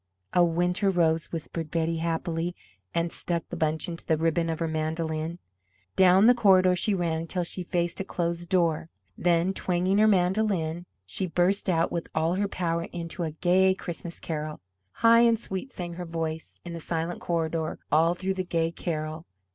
"A winter rose," whispered Betty, happily, and stuck the bunch into the ribbon of her mandolin. Down the corridor she ran until she faced a closed door. Then, twanging her mandolin, she burst out with all her power into a gay Christmas carol. High and sweet sang her voice in the silent corridor all through the gay carol.